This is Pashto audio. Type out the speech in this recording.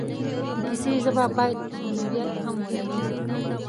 د کیسې ژبه باید هنریت هم ولري.